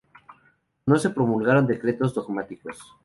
No se promulgaron decretos dogmáticos.